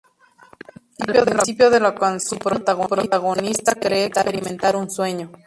Al principio de la canción, su protagonista cree experimentar un sueño.